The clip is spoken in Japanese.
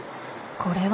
これは？